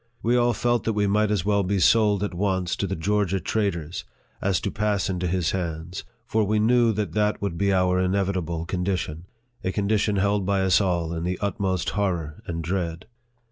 We all felt that we might as well be sold at once to the Georgia traders, as to pass into his hands ; for we knew that that would be our inevitable con dition, a condition held by us all in the utmost horror and dread.